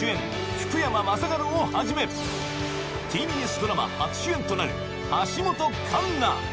福山雅治をはじめＴＢＳドラマ初主演となる橋本環奈